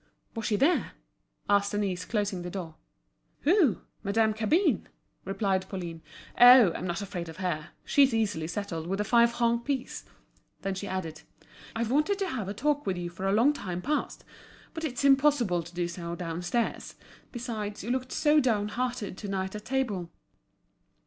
"Was she there?" asked Denise, closing the door. "Who? Madame Cabin?" replied Pauline. "Oh, I'm not afraid of her, she's easily settled with a five franc piece!" Then she added: "I've wanted to have a talk with you for a long time past. But it's impossible to do so downstairs. Besides, you looked so down hearted to night at table."